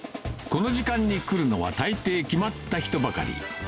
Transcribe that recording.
この時間に来るのはたいてい決まった人ばかり。